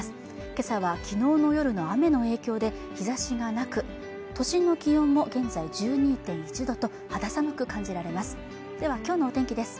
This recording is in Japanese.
今朝は昨日の夜の雨の影響で日差しがなく都心の気温も現在１２．７度と肌寒く感じられますではきょうのお天気です